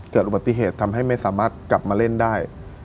เกิดอุบัติเหตุทำให้ไม่สามารถกลับมาเล่นได้